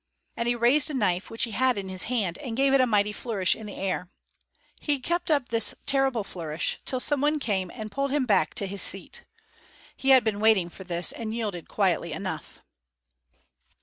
And he raised a knife which he had in his hand and gave it a mighty flourish in the air. He kept up this terrible flourish till some one came and pulled him back to his seat. He had been waiting for this and yielded quietly enough.